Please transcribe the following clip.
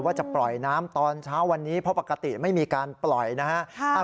ว่าจะปล่อยน้ำตอนเช้าวันนี้เพราะปกติไม่มีการปล่อยนะฮะ